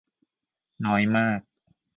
น้อยมาก